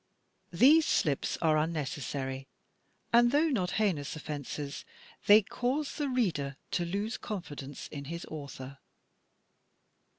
These slips are unnecessary; and though not heinous offences, they cause the reader to lose confidence in his author.